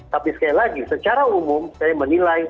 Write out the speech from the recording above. tapi sekali lagi secara umum saya menilai